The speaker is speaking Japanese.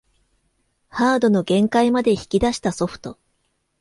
ハードの限界まで引き出したソフト